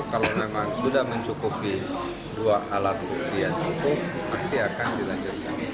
kalau memang sudah mencukupi dua alat bukti yang cukup pasti akan dilanjutkan